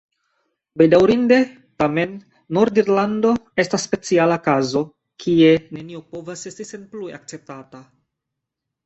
Bedaŭrinde, tamen, Nord-Irlando estas speciala kazo, kie nenio povas esti senplue akceptata.